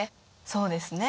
そうですね。